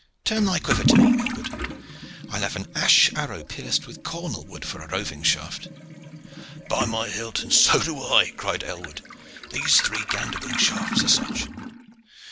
Turn thy quiver to me, Aylward. I love an ash arrow pierced with cornel wood for a roving shaft." "By my hilt! and so do I," cried Aylward. "These three gander winged shafts are such."